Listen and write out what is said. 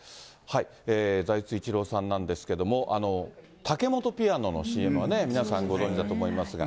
財津一郎さんなんですけれども、タケモトピアノのＣＭはね、皆さんご存じだと思いますが。